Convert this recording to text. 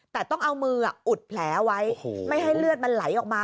แต่ต้องเอามืออุดแผลไว้ไม่ให้เลือดมันไหลออกมา